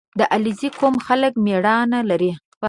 • د علیزي قوم خلک مېړانه لري.